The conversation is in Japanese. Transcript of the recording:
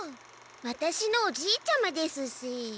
ワタシのおじいちゃまですし。